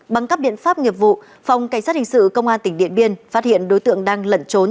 bằng các biện pháp nghiệp vụ phòng cảnh sát hình sự công an tỉnh điện biên phát hiện đối tượng đang lẩn trốn